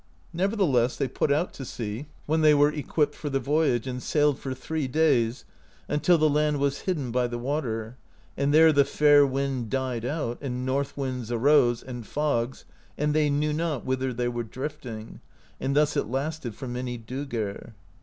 Nevertheless they put out to sea when they were equipped for the voyage, and sailed for three days, until the land was hidden by the water, and then the fair wind died out, and north winds arose, and fogs, and they knew not whither they were drifting and thus it lasted for many "doegr."